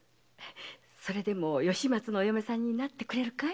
それでも吉松のお嫁さんになってくれるかい？